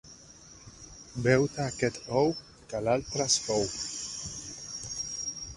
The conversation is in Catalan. Beu-te aquest ou que l'altre es cou!